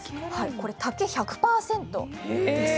竹１００％です。